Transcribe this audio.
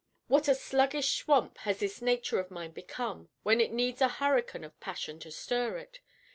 What a sluggish swamp has this nature of mine become, when it needs a hurricane of passion to stir it!